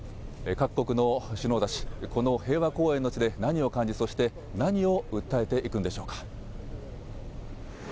各国の首脳たち、この平和公園の地で何を感じ、そして何を訴えていくんでしょうか。